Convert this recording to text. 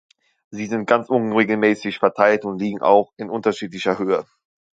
Sie sind ganz unregelmäßig verteilt und liegen auch in unterschiedlicher Höhe.